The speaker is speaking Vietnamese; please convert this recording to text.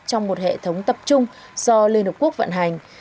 trong một hệ thống tập trung do liên hợp quốc vận hành